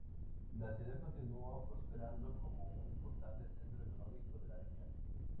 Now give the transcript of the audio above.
La ciudad continuó prosperando como un importante centro económico de la región.